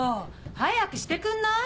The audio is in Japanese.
早くしてくんない？